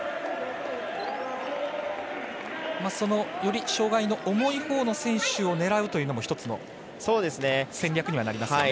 より障がいの重いほうの選手を狙うというのも１つの戦略にはなりますよね。